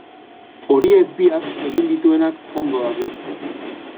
Horiek biak egin dituenak ondo daki.